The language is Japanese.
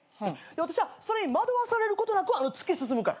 私はそれに惑わされることなく突き進むから。